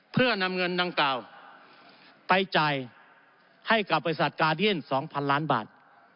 เพื่อนำเงินดังกล่าวไปจ่ายให้กับบริษัทกาเดียน๒๐๐ล้านบาท